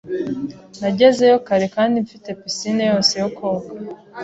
Nagezeyo kare kandi mfite pisine yose yo koga.